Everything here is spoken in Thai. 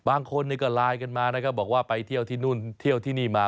บางคนก็ไลน์กันมานะครับบอกว่าไปเที่ยวที่นู่นเที่ยวที่นี่มา